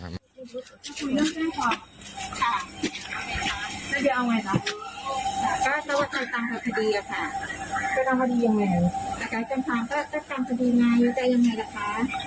ก็จะตามคดีไงแล้วจะยังไงล่ะคะ